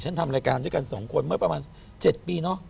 ทำรายการด้วยกัน๒คนเมื่อประมาณ๗ปีเนอะ